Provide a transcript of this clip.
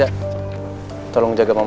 apalagi meu kota